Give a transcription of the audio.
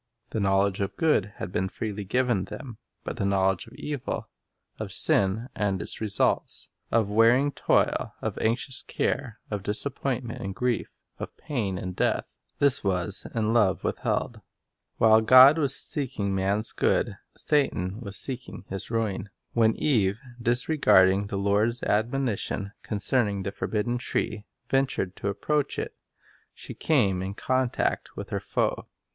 The knowledge of good had been freely given them; but the knowledge of evil, — of sin and its results, of wearing toil, of anxious care, of disappoint ment and grief, of pain and death, — this was in love withheld. While God was seeking man's good, Satan was 1 Gen. 2 : 9 17. (23) A Test of Loyalty Only Evil Withheld 24 First Principles seeking his ruin. When Eve, disregarding the Lord's admonition concerning the forbidden tree, ventured to approach it, she came in contact with her foe.